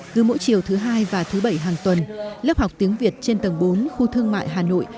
cứ mỗi chiều thứ hai và thứ bảy hàng tuần lớp học tiếng việt trên tầng bốn khu thương mại hà nội